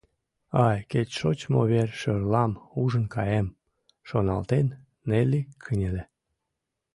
«Ай, кеч шочмо вер-шӧрлам ужын каем», — шоналтен, Нелли кынеле.